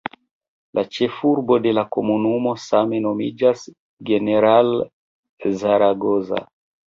La ĉefurbo de la komunumo same nomiĝas "General Zaragoza".